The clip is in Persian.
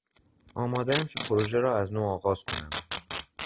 آمادهام که پروژه را از نو آغاز کنم.